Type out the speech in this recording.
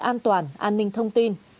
an toàn an ninh thông tin